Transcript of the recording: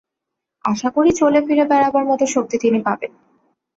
আশা করি চলে-ফিরে বেড়াবার মত শক্তি তিনি পাবেন।